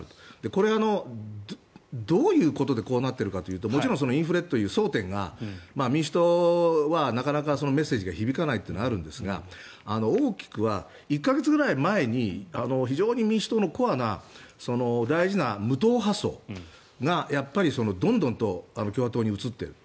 これはどういうことでこうなっているかというともちろんインフレという争点が民主党はなかなかメッセージが響かないというのがあるんですが大きくは１か月ぐらい前に非常に民主党のコアな大事な無党派層がやっぱりどんどん共和党に移っている。